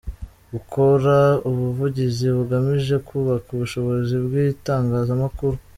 Gukora ubuvugizi bugamije kubaka ubushobozi bw’itangazamakuru ;.